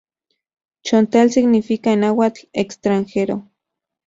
Chontal significa en nahuatl "extranjero".